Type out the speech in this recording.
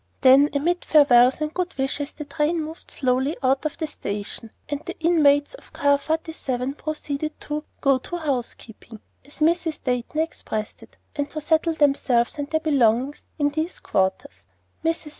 Then amid farewells and good wishes the train moved slowly out of the station, and the inmates of Car Forty seven proceeded to "go to housekeeping," as Mrs. Dayton expressed it, and to settle themselves and their belongings in these new quarters. Mrs.